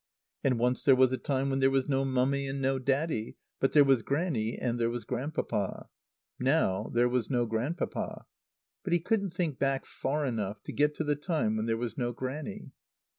And once there was a time when there was no Mummy and no Daddy; but there was Grannie and there was Grandpapa. Now there was no Grandpapa. But he couldn't think back far enough to get to the time when there was no Grannie.